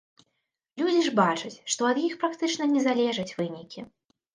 Людзі ж бачаць, што ад іх практычна не залежаць вынікі.